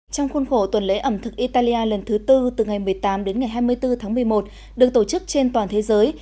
trong khuôn khổ tuần lễ ẩm thực italia lần thứ tư từ ngày một mươi tám đến ngày hai mươi bốn tháng một mươi một được tổ chức trên toàn thế giới